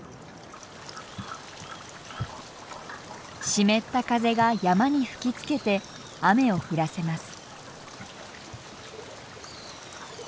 湿った風が山に吹きつけて雨を降らせます。